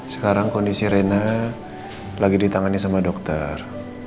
sekarang kondisi rena lagi ditangani sama dokter